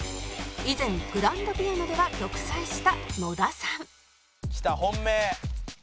以前グランドピアノでは玉砕した野田さんきた本命。